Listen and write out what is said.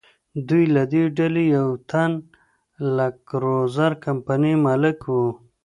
دوی له دې ډلې یو تن د لکزور کمپنۍ مالک و.